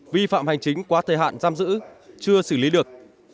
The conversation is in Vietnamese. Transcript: vi phạm hành chính quá thời hạn giam giữ chưa xử lý được